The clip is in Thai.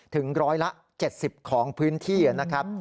ถึง๑๗๐ของพื้นที่นะครับ